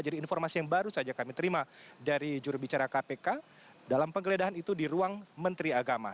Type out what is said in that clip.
jadi informasi yang baru saja kami terima dari jurubicara kpk dalam penggeledahan itu di ruang menteri agama